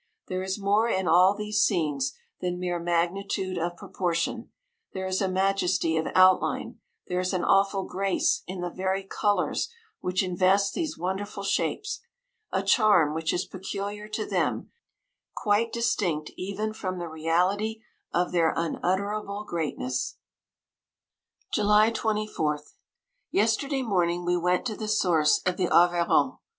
There is more in all these scenes than mere magnitude of proportion : there is a majesty of outline ; there is an awful grace in the very colours which invest these wonderful shapes — a charm which is peculiar to them, quite distinct even from the reality of their unutterable greatness, 156 July 24. Yesterday morning we went to the source of the Arveiron.